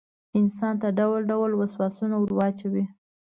انسان ته ډول ډول وسواسونه وراچوي.